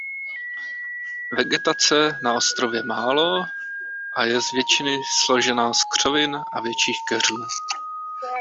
Vegetace na ostrově málo a je z většiny složená z křovin a větších keřů.